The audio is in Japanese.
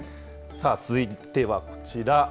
続いてはこちら。